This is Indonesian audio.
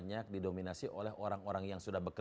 traiendo geil sekali atau harloopan tidak